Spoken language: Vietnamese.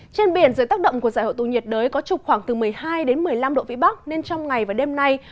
trên biển dưới tác động của giải hội tụ nhiệt đới có trục khoảng từ một mươi hai đến một mươi năm độ vĩ bắc nên trong ngày và đêm nay